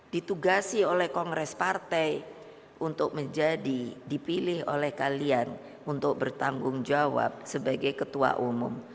ditugasi oleh kongres partai untuk menjadi dipilih oleh kalian untuk bertanggung jawab sebagai ketua umum